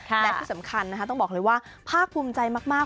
และที่สำคัญนะคะต้องบอกเลยว่าภาคภูมิใจมาก